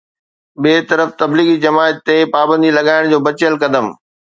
ٻئي طرف تبليغي جماعت تي پابندي لڳائڻ جو بچيل قدم